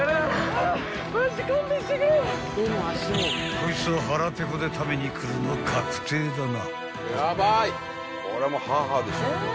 ［こいつは腹ペコで食べに来るの確定だな］